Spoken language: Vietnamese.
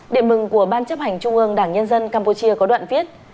điện mừng của ban chấp hành trung ương đảng nhân dân campuchia có đoạn viết